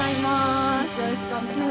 よろしくお願いします。